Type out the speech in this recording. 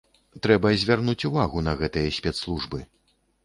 Трэба звярнуць увагу на гэтыя спецслужбы.